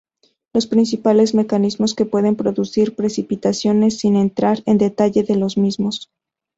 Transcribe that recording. Los principales mecanismos que pueden producir precipitaciones, sin entrar en detalle de los mismos.